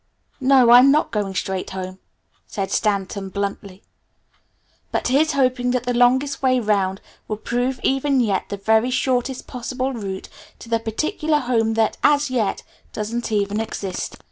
"No, I'm not going straight home," said Stanton bluntly. "But here's hoping that the 'longest way round' will prove even yet the very shortest possible route to the particular home that, as yet, doesn't even exist.